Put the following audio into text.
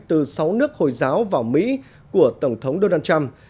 từ sáu nước hồi giáo vào mỹ của tổng thống donald trump